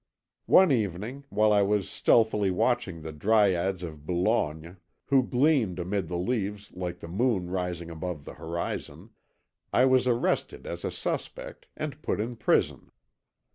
"One evening while I was stealthily watching the dryads of Boulogne, who gleamed amid the leaves like the moon rising above the horizon, I was arrested as a suspect, and put in prison.